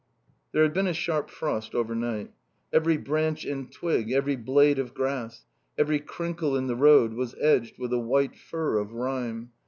There had been a sharp frost overnight. Every branch and twig, every blade of grass, every crinkle in the road was edged with a white fur of rime.